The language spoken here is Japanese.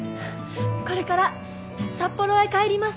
これから札幌へ帰ります。